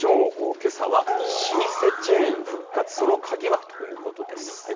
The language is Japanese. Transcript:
けさは老舗チェーン復活、その鍵はということです。